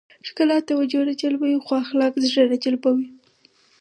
ښکلا توجه راجلبوي خو اخلاق زړه راجلبوي.